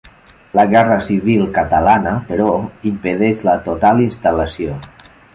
La guerra civil catalana, però, impedeix la total instal·lació.